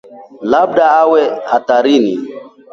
Labda awe hatarini